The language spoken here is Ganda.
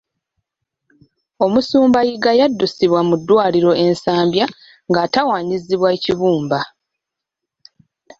Omusumba Yiga yaddusibwa mu ddwaliro e Nsambya ng'atawaanyizibwa ekibumba.